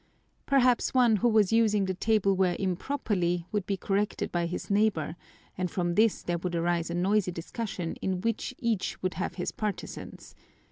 Perhaps one who was using the tableware improperly would be corrected by his neighbor and from this there would arise a noisy discussion in which each would have his partisans.